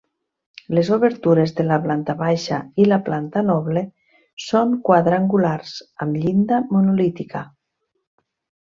Les obertures de la planta baixa i la planta noble són quadrangulars amb llinda monolítica.